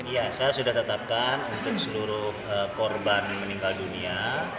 ya saya sudah tetapkan untuk seluruh korban meninggal dunia